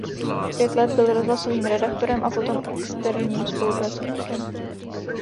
Pět let byl rozhlasovým redaktorem a potom externím spolupracovníkem.